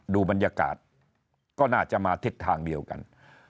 ดูบรรยากาศก็น่าจะมาทิศทางเดียวกัน